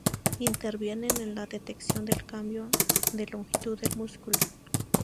Intervienen en la detección del cambio de longitud del músculo.